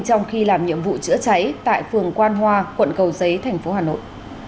trong khi làm nhiệm vụ chữa cháy tại phường quan hoa quận cầu giấy tp hà nội